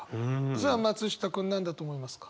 さあ松下君何だと思いますか？